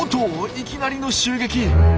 いきなりの襲撃！